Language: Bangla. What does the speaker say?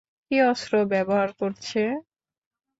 কী অস্ত্র ব্যবহার করছে?